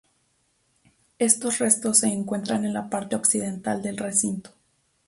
Estos restos se encuentran en la parte occidental del recinto.